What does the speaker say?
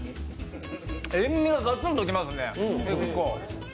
塩味がガツンときますね、結構。